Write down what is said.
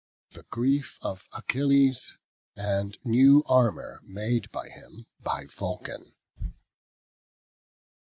THE GRIEF OF ACHILLES, AND NEW ARMOUR MADE HIM BY VULCAN.